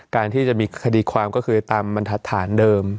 คดีความก็คือตามบรรทัดฐานเดิม